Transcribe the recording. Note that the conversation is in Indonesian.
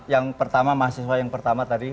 yang pertama mahasiswa yang pertama tadi